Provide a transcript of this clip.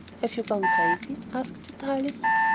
Have you gone crazy?" asked Vitalis.